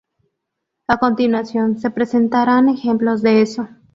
A continuación, se presentaran ejemplos de eso.